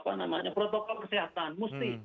kalau kita mau memperhatikan protokol kesehatan musti